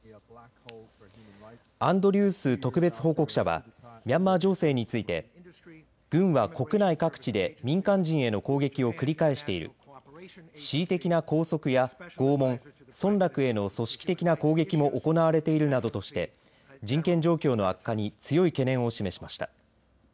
アンドリュース特別報告者はミャンマー情勢について軍は国内各地で民間人への攻撃を繰り返している恣意的な拘束や拷問村落への組織的な攻撃も行われているなどとして人権状況の悪化に強い懸念を示しました。